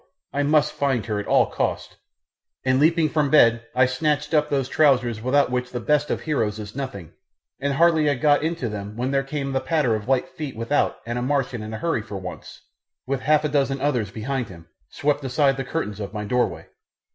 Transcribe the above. I must find her at all costs; and leaping from bed I snatched up those trousers without which the best of heroes is nothing, and had hardly got into them when there came the patter of light feet without and a Martian, in a hurry for once, with half a dozen others behind him, swept aside the curtains of my doorway.